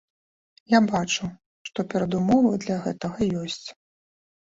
Я бачу, што перадумовы для гэтага ёсць.